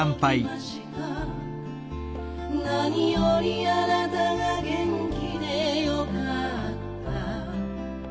「なによりあなたが元気でよかった」